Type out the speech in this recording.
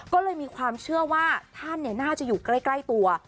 ก็เลยมีความเชื่อว่าท่านน่าจะอยู่ใกล้ตัว